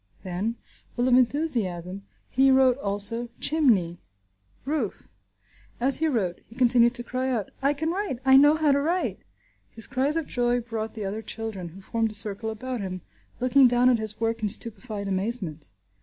Then, full of enthusiasm, he wrote also "chimney," "roof." As he wrote, he continued to cry out, "I can write! I know how to write!" His cries of joy brought the other children, who formed a circle about him, looking down at his work in stupefied amazement.